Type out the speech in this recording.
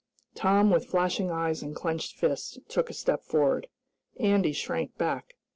Tom, with flashing eyes, and clenched fists, took a step forward. Andy shrank back.